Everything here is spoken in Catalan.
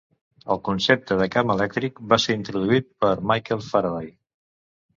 El concepte de camp elèctric va ser introduït per Michael Faraday.